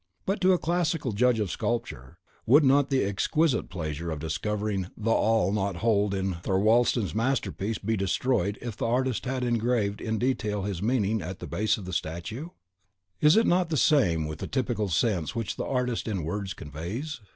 But to a classical judge of sculpture, would not the exquisite pleasure of discovering the all not told in Thorwaldsen's masterpiece be destroyed if the artist had engraved in detail his meaning at the base of the statue? Is it not the same with the typical sense which the artist in words conveys?